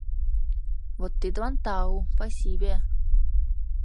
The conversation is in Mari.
— Вот тидлан тау, пасибе...